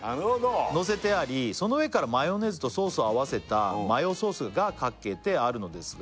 「のせてありその上からマヨネーズとソースを合わせた」「マヨソースがかけてあるのですが」